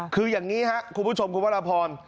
คืออย่างนี้ครับคุณผู้ชมคุณพระราพร